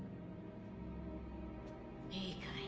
いいかい？